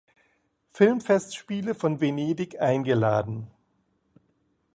Filmfestspiele von Venedig eingeladen.